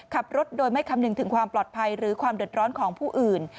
ขับรถโดยไม่คำนึงถึงความปลอดภัยหรือความเดือดร้อนของผู้อื่น